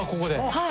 はい。